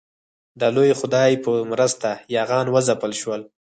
د لوی خدای په مرسته یاغیان وځپل شول.